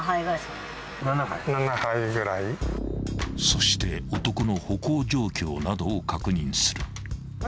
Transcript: ［そして男の歩行状況などを確認する］